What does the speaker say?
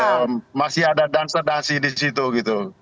dan masih ada dansa dansi di situ gitu